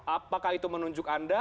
apakah itu menunjuk anda